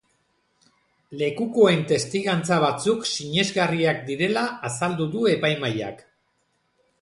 Lekukoen testigantza batzuk sinesgarriak direla azaldu du epaimahaiak.